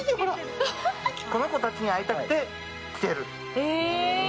この子たちに会いたくて来てる。